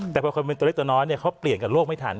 แต่พอคนเป็นตัวเล็กตัวน้อยเขาเปลี่ยนกับโลกไม่ทัน